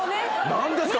何ですか⁉